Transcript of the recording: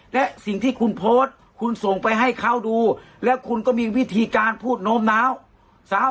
และสิ่งที่คุณโพสต์คุณส่งไปให้เขาดูแล้วคุณก็มีวิธีการพูดโน้มน้าว